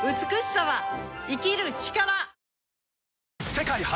世界初！